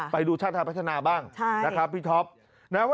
ไปดูชาติภาพพัฒนาบ้างนะครับพี่ท็อปนะครับค่ะ